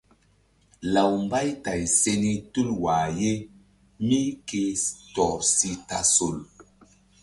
Law Mbaytay se ni tul wah ye mí ke tɔr si tasol.